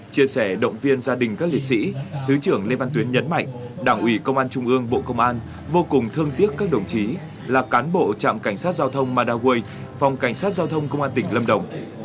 chia sẻ động viên gia đình các liệt sĩ thứ trưởng lê văn tuyến nhấn mạnh đảng ủy công an trung ương bộ công an vô cùng thương tiếc các đồng chí là cán bộ trạm cảnh sát giao thông madaway phòng cảnh sát giao thông công an tỉnh lâm đồng